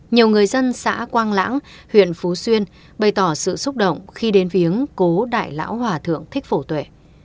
nhiều người dân xã quang lãng huyện phú xuyên bày tỏ sự xúc động khi đến viếng cố đại lão hòa thượng thích phổ tuệ